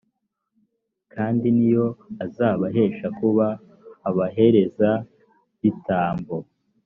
kandi ni yo azabahesha kuba abaherezabitambo.